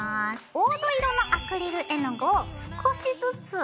黄土色のアクリル絵の具を少しずつ入れていくよ。